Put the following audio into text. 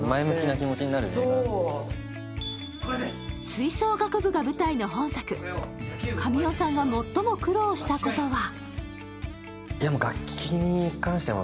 吹奏楽部が舞台の本作、神尾さんが最も苦労したことは。